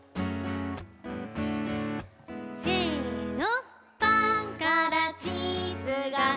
せの。